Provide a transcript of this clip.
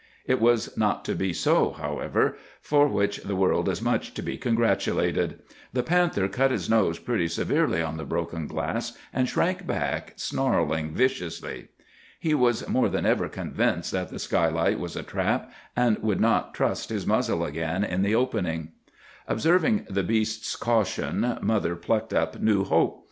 "It was not to be so, however; for which the world is much to be congratulated. The panther cut his nose pretty severely on the broken glass, and shrank back, snarling viciously. "He was more than ever convinced that the skylight was a trap, and would not trust his muzzle again in the opening. "Observing the beast's caution, mother plucked up new hope.